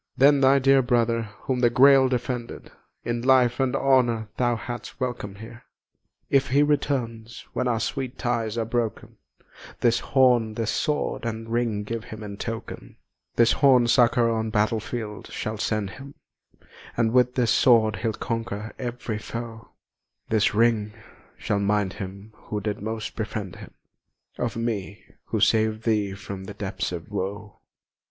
Then thy dear brother, whom the Grail defended, In life and honour thou hadst welcom'd here. If he returns, when our sweet ties are broken, This horn, this sword, and ring give him in token; This horn succour on battlefield shall send him, And with this sword he'll conquer ev'ry foe; This ring shall mind him who did most befriend him Of me who saved thee from the depths of woe!"